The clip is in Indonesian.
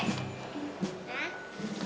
gua bekerja nyari